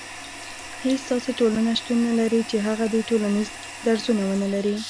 هيڅ داسي ټولنه شتون نه لري چي هغه دي ټولنيز درځونه ونلري